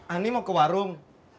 ani mau ke warung